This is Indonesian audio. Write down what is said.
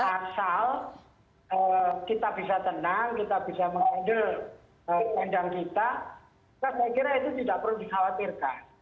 asal kita bisa tenang kita bisa mengambil kandang kita saya kira itu tidak perlu dikhawatirkan